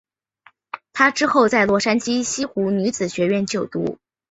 她之后在洛杉矶西湖女子学院就读。